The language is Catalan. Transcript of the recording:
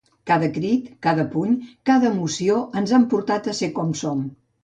Cada crit, cada puny, cada emoció ens han portat a ser com som.